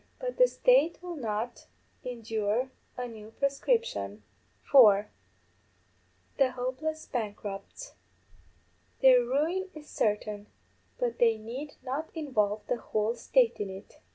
But the State will not endure a new proscription._ (4) _The hopeless bankrupts. Their ruin is certain, but they need not involve the whole State in it.